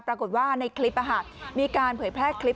ปรากฏว่าในคลิปมีการเผยแพร่คลิป